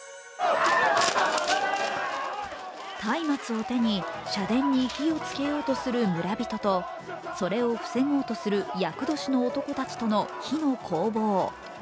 たいまつを手に、社殿に火をつけようとする村人とそれを防ごうとする厄年の男たちとの火の攻防。